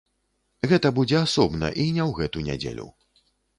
Гэта будзе асобна і не ў гэту нядзелю.